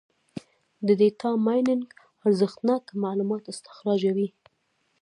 د ډیټا مایننګ ارزښتناکه معلومات استخراجوي.